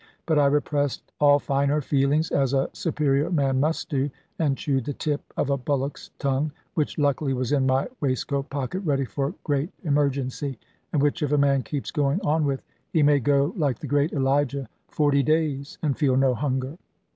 But I repressed all finer feelings, as a superior man must do, and chewed the tip of a bullock's tongue, which luckily was in my waistcoat pocket, ready for great emergency; and which, if a man keeps going on with, he may go, like the great Elijah, forty days, and feel no hunger.